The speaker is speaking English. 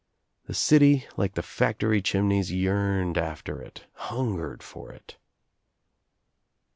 The city, like the factory chim neys yearned after it, hungered for it.